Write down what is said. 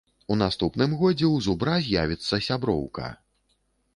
У наступным годзе ў зубра з'явіцца сяброўка.